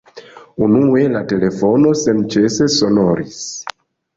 Unue la telefono senĉese sonoris.